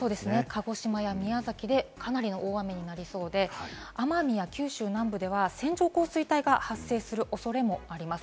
鹿児島、宮崎でかなりの大雨になりそうで、奄美や九州南部では線状降水帯が発生する恐れもあります。